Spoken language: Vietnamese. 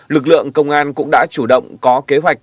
lực lượng công an cũng đã chủ động có kế hoạch